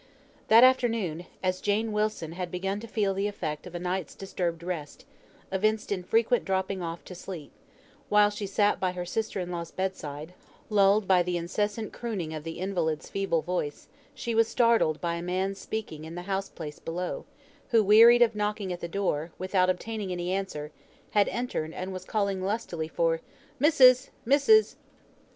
That afternoon, as Jane Wilson had begun to feel the effect of a night's disturbed rest, evinced in frequent droppings off to sleep while she sat by her sister in law's bed side, lulled by the incessant crooning of the invalid's feeble voice, she was startled by a man speaking in the house place below, who, wearied of knocking at the door, without obtaining any answer, had entered and was calling lustily for "Missis! missis!"